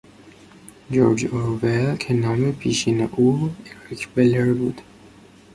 جرج ارول که نام پیشین او اریک بلر بود